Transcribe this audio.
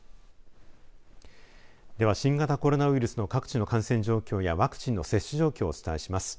では新型コロナウイルスの各地の感染状況やワクチンの接種状況をお伝えします。